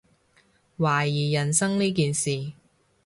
懷疑人生呢件事